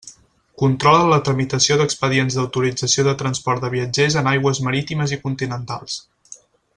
Controla la tramitació d'expedients d'autorització de transport de viatgers en aigües marítimes i continentals.